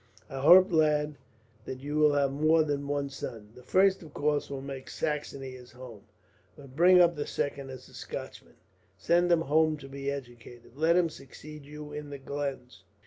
"I hope, lad, that you will have more than one son. The first, of course, will make Saxony his home; but bring up the second as a Scotchman, send him home to be educated, and let him succeed you in the glens.